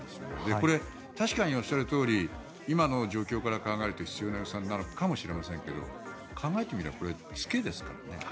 これ、確かにおっしゃるとおり今の状況から考えて必要な予算なのかもしれませんが考えてみればこれ付けですからね。